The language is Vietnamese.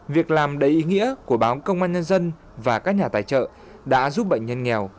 việc làm đầy ý nghĩa của báo công an nhân dân và các nhà tài trợ đã giúp bệnh nhân nghèo